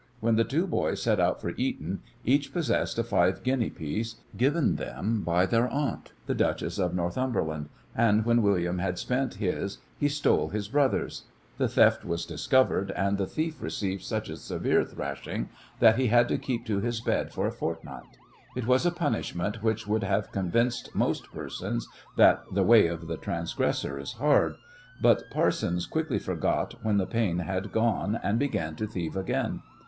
When the two boys set out for Eton each possessed a five guinea piece, given them by their aunt, the Duchess of Northumberland, and when William had spent his he stole his brother's. The theft was discovered, and the thief received such a severe thrashing that he had to keep to his bed for a fortnight. It was a punishment which would have convinced most persons that "the way of transgressors is hard," but Parsons quickly forgot when the pain had gone and began to thieve again.